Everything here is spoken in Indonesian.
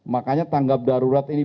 makanya tanggap darurat ini